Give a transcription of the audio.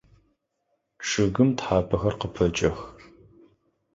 Чъыгым тхьапэхэр къыпэкӏэх.